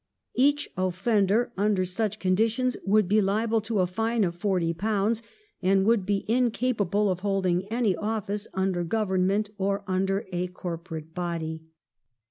Each offender under such conditions would be hable to a fine of forty pounds, and would be incapable of holding any office under Government or under a corporate body.